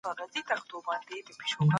علم، حلم او سخاوت.